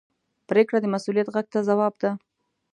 پرېکړه د مسؤلیت غږ ته ځواب ده.